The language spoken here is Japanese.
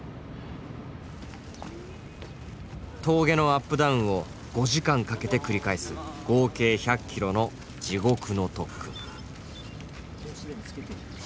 峠のアップダウンを５時間かけて繰り返す合計１００ｋｍの地獄の特訓。